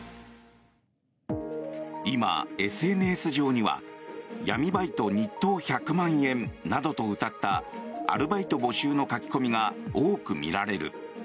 今、ＳＮＳ上には闇バイト、日当１００万円などとうたったアルバイト募集の書き込みが多く見られる。